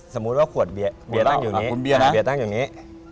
สมมุติว่าขวดเบียตั้งอยู่นี้